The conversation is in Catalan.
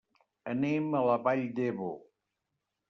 Anem a la Vall d'Ebo.